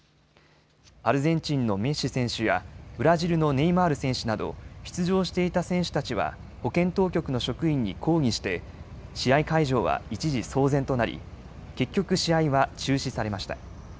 アルゼンチンのメッシ選手や、ブラジルのネイマール選手など出場していた選手たちは保健当局の職員に抗議して試合会場は一時騒然となり、結局試合は中止されました。